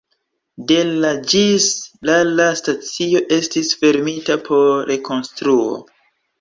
De la ĝis la la stacio estis fermita por rekonstruo.